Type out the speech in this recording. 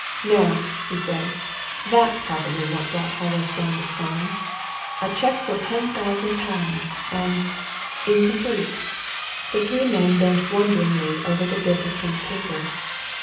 "No!" he said. "That's probably what brought Hollis down to Scarnham! A cheque for ten thousand pounds! And incomplete!" The three men bent wonderingly over the bit of pink paper.